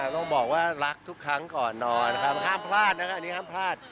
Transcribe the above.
ต้องบอกว่ารักทุกครั้งก่อนนอนนะครับห้ามพลาดนะครับอันนี้ห้ามพลาด